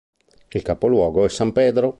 Il capoluogo è San Pedro.